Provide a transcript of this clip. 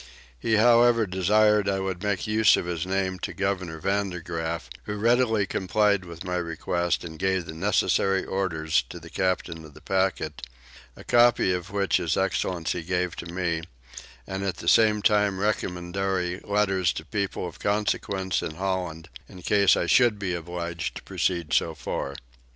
He however desired I would make use of his name to governor Vander Graaf, who readily complied with my request and gave the necessary orders to the Captain of the packet, a copy of which his excellency gave to me; and at the same time recommendatory letters to people of consequence in Holland in case I should be obliged to proceed so far.